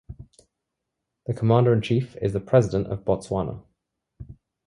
The commander in chief is the President of Botswana.